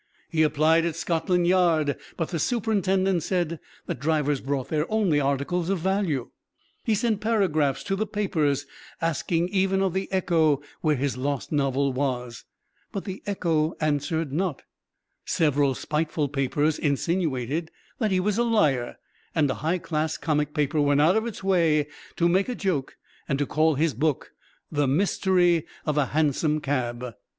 He applied at Scotland Yard, but the superintendent said that drivers brought there only articles of value. He sent paragraphs to the papers, asking even of the Echo where his lost novel was. But the Echo answered not. Several spiteful papers insinuated that he was a liar, and a high class comic paper went out of its way to make a joke, and to call his book "The Mystery of a Hansom Cab."